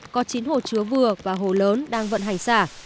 có chín hồ chứa vừa và hồ lớn đang vận hành xả